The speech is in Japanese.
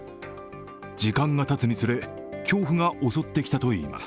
時間がたつにつれ恐怖が襲ってきたといいます。